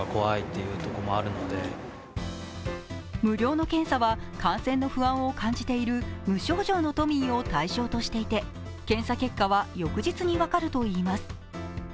無料の検査は感染の不安を感じている無症状の都民を対象としていて検査結果は翌日に分かるといいます。